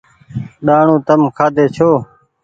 ڏآڻو تم کآدي ڇو